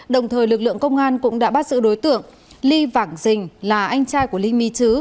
đồng thời lực lượng công an cũng đã bắt giữ đối tượng ly vảng dình là anh trai của ly mí chứ